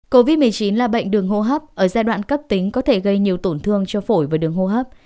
covid một mươi chín là bệnh đường hô hấp ở giai đoạn cấp tính có thể gây nhiều tổn thương cho phổi và đường hô hấp